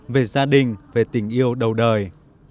về gia đình về tình yêu đầu đời